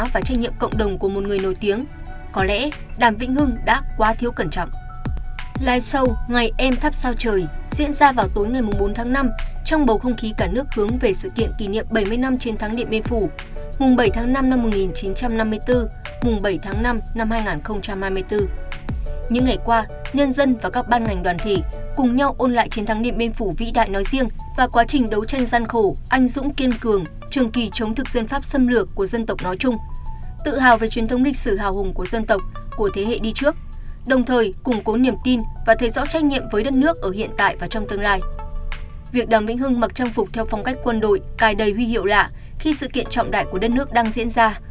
việc đàm vĩnh hưng mặc trang phục theo phong cách quân đội cài đầy huy hiệu lạ khi sự kiện trọng đại của đất nước đang diễn ra